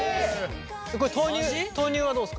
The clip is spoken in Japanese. これ豆乳豆乳はどうですか？